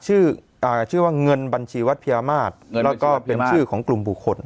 ชื่อว่าเงินบัญชีวัดเพียมาศแล้วก็เป็นชื่อของกลุ่มบุคคล